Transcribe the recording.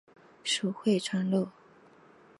属会川路。